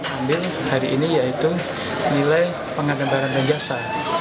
ambil hari ini yaitu nilai pengadaan barang dan jasa